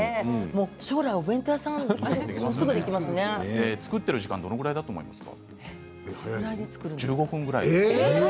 将来、お弁当屋さん作っている時間どのぐらいだと思いますか？